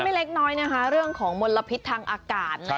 เล็กน้อยนะคะเรื่องของมลพิษทางอากาศ